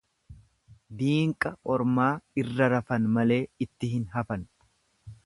Diinqa ormaa irra rafan male itti hin hafan.